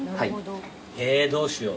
えどうしよう。